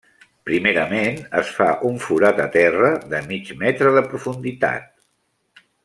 Primerament, es fa un forat a terra de mig metre de profunditat.